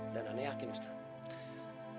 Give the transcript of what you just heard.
dan aneh yakin ustaz